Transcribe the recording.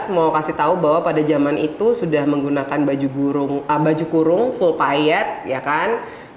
mau kasih tahu bahwa pada zaman itu sudah menggunakan baju kurung full payet ya kan